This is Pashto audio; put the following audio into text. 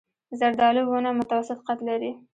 زردالو ونه متوسط قد لري.